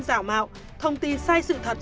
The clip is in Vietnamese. rào mạo thông tin sai sự thật